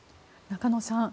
中野さん